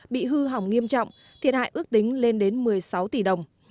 bị hư hỏng nghiêm trọng thiệt hại ước tính lên đến một mươi sáu tỷ đồng